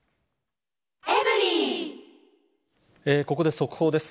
ここで速報です。